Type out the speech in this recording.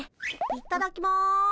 いただきます。